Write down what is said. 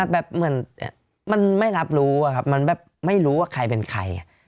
แบบเหมือนมันไม่รับรู้อะครับมันแบบไม่รู้ว่าใครเป็นใคร